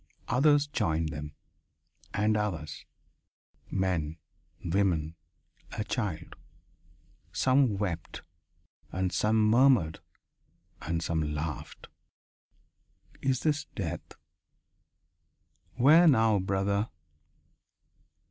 Others joined them. And others. Men. Women. A child. Some wept and some murmured and some laughed. "Is this death?" "Where now, brother?"